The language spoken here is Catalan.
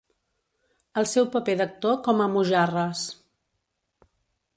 El seu paper d'actor com a Mojarras.